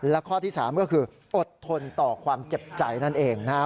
และข้อที่๓ก็คืออดทนต่อความเจ็บใจนั่นเองนะครับ